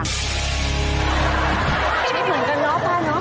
ไม่เหมือนกันเนาะป้าเนอะ